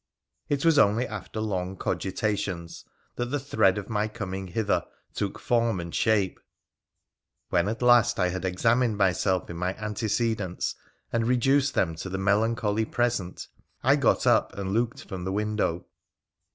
It was only after long cogitations that the thread of my coming hither took form and shape. When at last I had examined myself in my antecedents, and reduced them to the melancholy present, I got up and looked from the window.